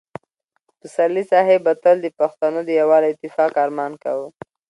پسرلي صاحب به تل د پښتنو د یووالي او اتفاق ارمان کاوه.